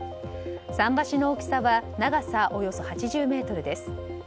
桟橋の大きさは長さおよそ８０ｍです。